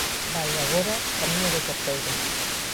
Vai, agora, camiño do terceiro.